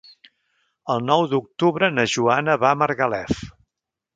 El nou d'octubre na Joana va a Margalef.